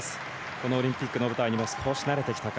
このオリンピックの舞台にも少し慣れてきたか。